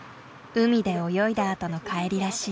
海で泳いだあとの帰りらしい。